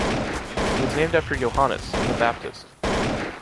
It was named after Johannes, the baptist.